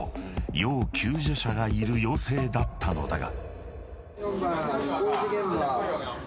［要救助者がいる要請だったのだが］